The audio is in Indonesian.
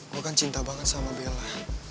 gue kan cinta banget sama bella